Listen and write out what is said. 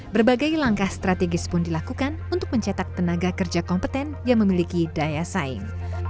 berbagai langkah strategis pun dilakukan untuk mencetak tenaga kerja kompeten yang memiliki daya saing